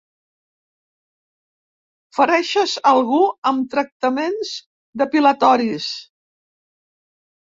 Fereixes algú amb tractaments depilatoris.